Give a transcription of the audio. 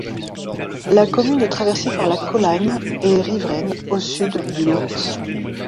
La commune est traversée par la Colagne et riveraine, au sud, du Lot.